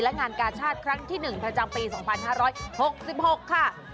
และงานกาชาติครั้งที่๑ประจำปี๒๕๖๖ค่ะ